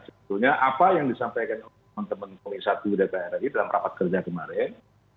sebetulnya apa yang disampaikan oleh teman teman komisi satu dpr ri dalam rapat kerja kemarin